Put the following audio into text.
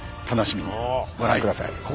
楽しみにご覧ください。